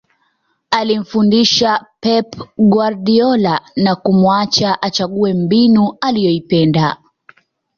alimfundisha pep guardiola na kumuacha achague mbinu anayoipenda